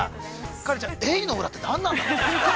◆花恋ちゃん、エイの裏って何なんだろう。